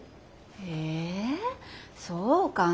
えそうかなあ。